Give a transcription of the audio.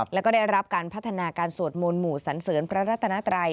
แล้วก็ได้รับการพัฒนาการสวดมนต์หมู่สันเสริญพระรัตนาไตร